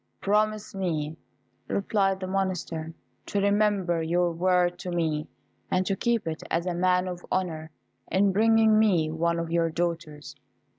"Promise me," replied the Monster, "to remember your word to me, and to keep it as a man of honour, in bringing me one of your daughters."